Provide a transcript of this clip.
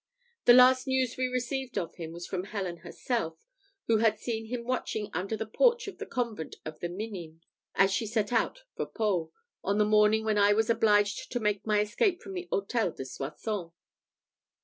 The last news we received of him was from Helen herself, who had seen him watching under the porch of the convent of the Minims, as she set out for Pau, on the morning when I was obliged to make my escape from the Hôtel de Soissons.